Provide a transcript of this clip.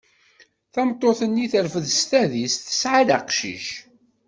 Tameṭṭut-nni terfed s tadist, tesɛa-d aqcic.